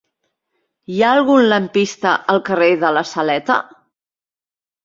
Hi ha algun lampista al carrer de la Saleta?